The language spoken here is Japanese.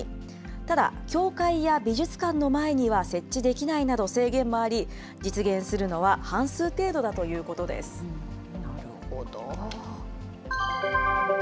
ただ、教会や美術館の前には設置できないなど、制限もあり、実現するのなるほど。